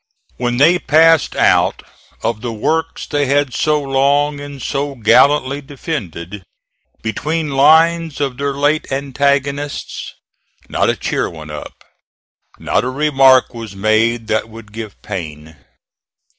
When they passed out of the works they had so long and so gallantly defended, between lines of their late antagonists, not a cheer went up, not a remark was made that would give pain.